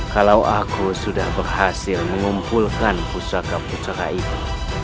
kalau aku sudah berhasil mengumpulkan pusaka pusaka itu